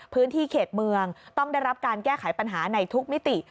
พื้นที่เขตเมืองต้องได้รับการแก้ไขปัญหาในทุกมิติ